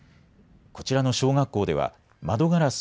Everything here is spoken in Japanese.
こちらの小学校では窓ガラス